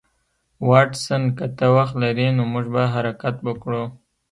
واټسن که ته وخت لرې نو موږ به حرکت وکړو